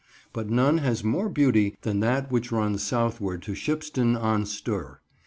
But none has more beauty than that which runs southward to Shipston on Stour.